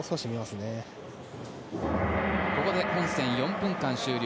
ここで本戦４分間終了。